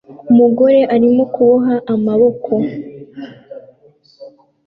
Umugore arimo kuboha amaboko